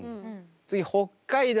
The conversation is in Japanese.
次北海道